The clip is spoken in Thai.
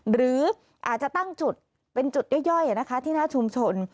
หรืออาจจะตั้งจุดเป็นจุดย่อยที่หน้าชุมชน